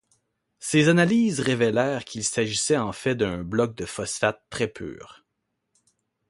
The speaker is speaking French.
Ses analyses révélèrent qu'il s'agissait en fait d'un bloc de phosphate très pur.